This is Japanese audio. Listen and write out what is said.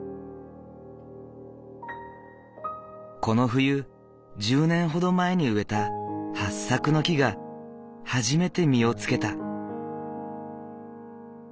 この冬１０年ほど前に植えたはっさくの木が初めて実をつけた。